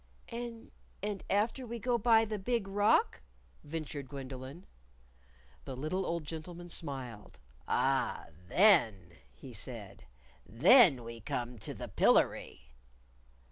"And and after we go by the Big Rock?" ventured Gwendolyn. The little old gentleman smiled. "Ah, then!" he said, " then we come to the Pillery!"